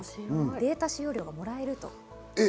データ使用量がもらえます。